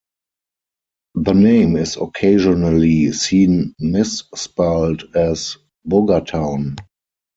The name is occasionally seen misspelled as Bogartown.